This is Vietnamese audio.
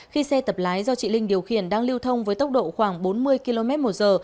khi xe tập lái do chị linh điều khiển đang lưu thông với tốc độ khoảng bốn mươi km một giờ